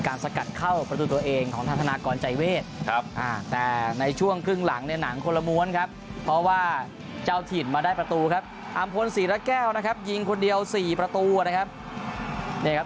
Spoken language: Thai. คนสี่ละแก้วนะครับยิงคนเดียวสี่ประตูอ่ะนะครับเนี่ยครับ